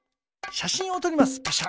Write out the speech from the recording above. しゃしんをとりますパシャ。